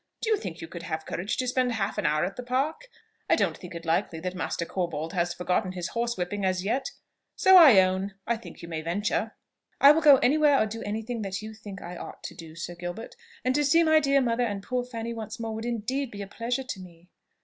Do you think you could have courage to spend half an hour at the Park? I don't think it likely that Master Corbold has forgotten his horsewhipping as yet; so I own I think you may venture." "I will go anywhere, or do any thing that you think I ought to do, Sir Gilbert; and to see my dear mother and poor Fanny once more would indeed be a pleasure to me.